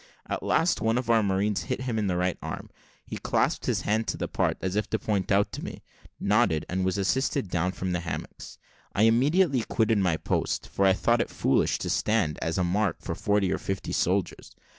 At last one of our marines hit him in the right arm: he clasped his hand to the part, as if to point it out to me, nodded, and was assisted down from the hammocks. I immediately quitted my post, for I thought it foolish to stand as a mark for forty or fifty soldiers.